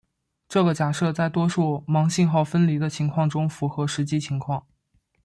这个假设在大多数盲信号分离的情况中符合实际情况。